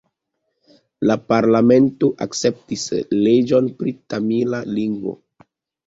La parlamento akceptis leĝon pri tamila lingvo.